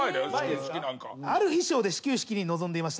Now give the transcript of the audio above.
ある衣装で始球式に臨んでいました。